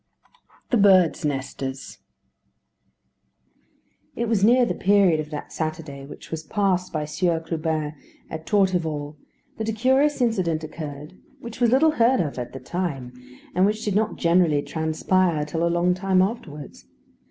V THE BIRDS' NESTERS It was near the period of that Saturday which was passed by Sieur Clubin at Torteval that a curious incident occurred, which was little heard of at the time, and which did not generally transpire till a long time afterwards.